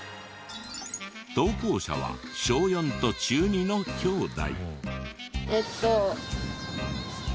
投稿者は小４と中２の兄弟。